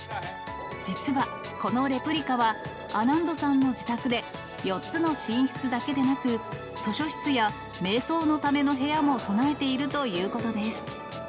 実は、このレプリカはアナンドさんの自宅で、４つの寝室だけでなく、図書室やめい想のための部屋も備えているということです。